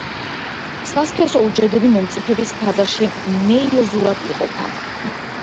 სასქესო უჯრედები მომწიფების ფაზაში მეიოზურად იყოფა.